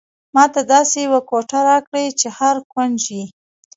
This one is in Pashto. ماته داسې یوه کوټه راکړئ چې هر کونج یې.